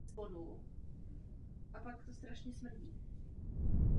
Film popisuje vztah žáka a učitele.